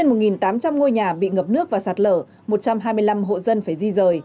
trên một tám trăm linh ngôi nhà bị ngập nước và sạt lở một trăm hai mươi năm hộ dân phải di rời